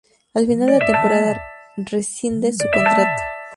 Al final de la temporada rescinde su contrato.